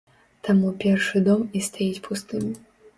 Таму першы дом і стаіць пустым.